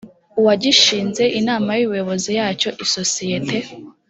uwagishinze inama y ubuyobozi yacyo isosiyete